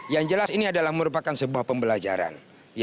yang jelas ini adalah merupakan sebuah pembelajaran